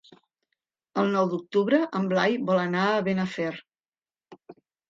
El nou d'octubre en Blai vol anar a Benafer.